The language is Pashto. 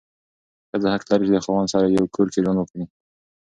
ښځه حق لري چې د خاوند سره یو کور کې ژوند وکړي.